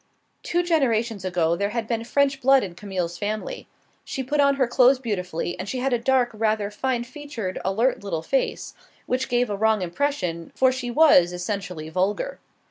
Two generations ago there had been French blood in Camille's family. She put on her clothes beautifully; she had a dark, rather fine featured, alert little face, which gave a wrong impression, for she was essentially vulgar.